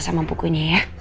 sama bukunya ya